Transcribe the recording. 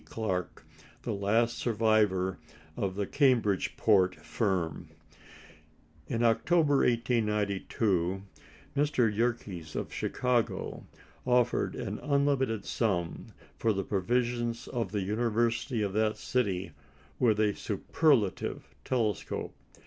Clark, the last survivor of the Cambridgeport firm. In October, 1892, Mr. Yerkes of Chicago offered an unlimited sum for the provision of the University of that city with a "superlative" telescope.